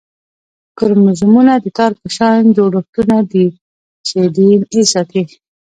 کروموزومونه د تار په شان جوړښتونه دي چې ډي این اې ساتي